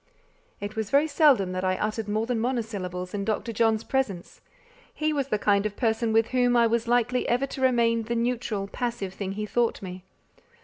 It was very seldom that I uttered more than monosyllables in Dr. John's presence; he was the kind of person with whom I was likely ever to remain the neutral, passive thing he thought me.